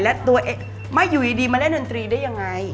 และตัวเองไม่อยู่ดีมาเล่นดนตรีได้ยังไง